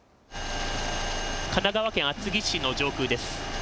神奈川県厚木市の上空です。